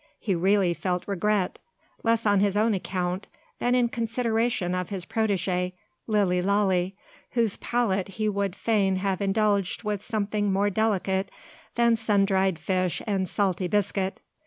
He really felt regret, less on his own account, than in consideration of his protege, Lilly Lalee; whose palate he would fain have indulged with something more delicate than sun dried fish and salty biscuit.